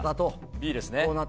Ｂですね？